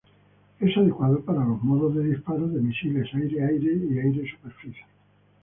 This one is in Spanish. Es adecuado para los modos de disparo de misiles aire-aire y aire-superficie.